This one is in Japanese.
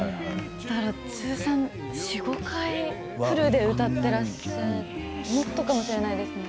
通算４、５回フルで歌ってらっしゃってもっとかもしれないですね。